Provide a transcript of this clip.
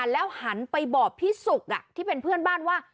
แล้วหันไปบอกพี่สุกที่เป็นเพื่อนบ้านว่า